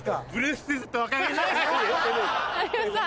有吉さん